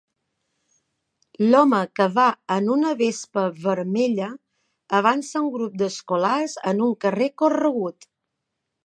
L'home que va en una vespa vermella avança a un grup d'escolars en un carrer corregut.